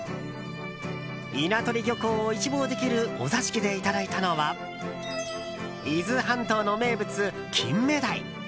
稲取漁港を一望できるお座敷でいただいたのは伊豆半島の名物、金目鯛。